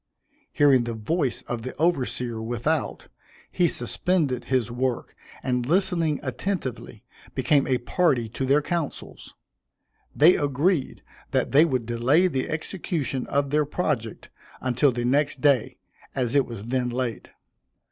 Hearing the voice of the overseer without, he suspended his work, and listening attentively, became a party to their councils. They agreed that they would delay the execution of their project until the next day, as it was then late.